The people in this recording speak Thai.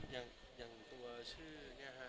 อย่างตัวชื่อเนี่ยฮะ